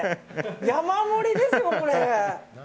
山盛りですよ、これ。